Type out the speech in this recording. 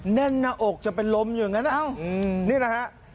แน่นหน้าอกจะเป็นลมอยู่อย่างงั้นนะอ้าวอืมนี่นะฮะ